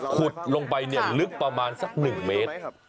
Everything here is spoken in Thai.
ขุดลงไปเนี่ยลึกประมาณสักหนึ่งเมตร